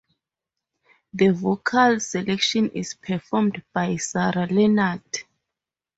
The vocal section is performed by Sarah Leonard.